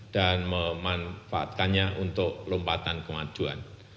dan memanfaatkannya untuk lompatan kemajuan